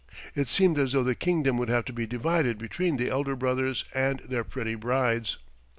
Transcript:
It seemed as though the kingdom would have to be divided between the elder brothers and their pretty brides.